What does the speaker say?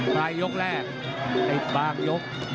ปลายยกแรกติดบางยก